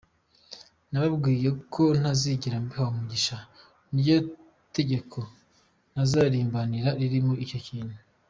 Nababwiye ko ntazigera mbiha umugisha n’iryo tegeko ntazaribazanira ririmo icyo kintu.